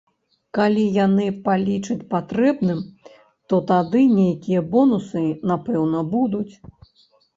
Калі яны палічаць патрэбным, то тады нейкія бонусы, напэўна, будуць.